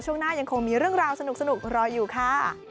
ช่วงหน้ายังคงมีเรื่องราวสนุกรออยู่ค่ะ